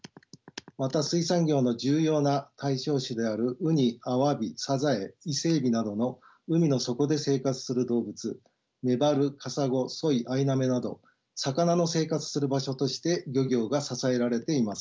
また水産業の重要な対象種であるウニアワビサザエイセエビなどの海の底で生活する動物メバルカサゴソイアイナメなど魚の生活する場所として漁業が支えられています。